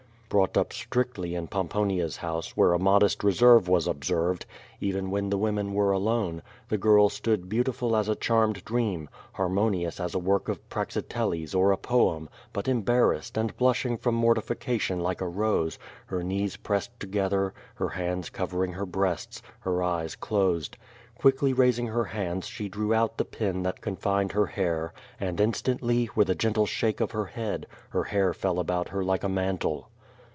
Brought up strictly in Pomponia's house, where a modest reserve was observed, even when the women were alone, the girl stood beautiful as a charmed dream, harmonious as a work of Praxiteles or a poem, but embarrassed, and blushing from mortification like a rose, her knees pressed together, her hands covering her breasts, her eyes closed. Quickly raising her hands she drew out the pin that confined her hair, and instantly, with a gentle shake of her head, her hair fell about her like a mantle.